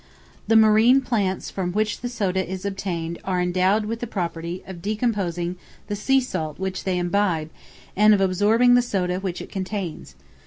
The marine plants from which the soda is obtained, are endowed with the property of decomposing the sea salt which they imbibe, and of absorbing the soda which it contains.